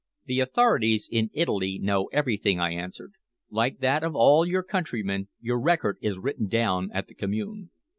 "The authorities in Italy know everything," I answered. "Like that of all your countrymen, your record is written down at the Commune."